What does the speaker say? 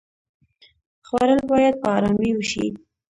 خوړل باید په آرامۍ وشي